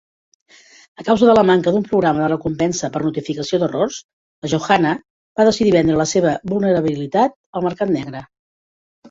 A causa de la manca d'un programa de recompensa per notificació d'errors, la Johanna va decidir vendre la seva vulnerabilitat al mercat negre.